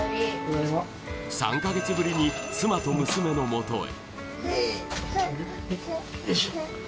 ３カ月ぶりに妻と娘のもとへ。